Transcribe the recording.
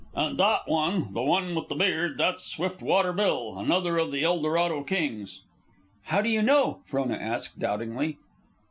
"And that one, the one with the beard, that's Swiftwater Bill, another of the Eldorado kings." "How do you know?" Frona asked, doubtingly.